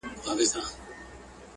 غلام فريد خان فريد